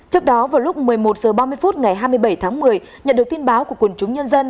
trước đó vào lúc một mươi một h ba mươi phút ngày hai mươi bảy tháng một mươi nhận được tin báo của quần chúng nhân dân